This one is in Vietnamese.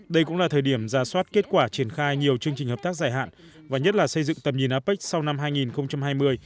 đây cũng là thời điểm giả soát kết quả triển khai nhiều chương trình hợp tác dài hạn và nhất là xây dựng tầm nhìn apec sau năm hai nghìn hai mươi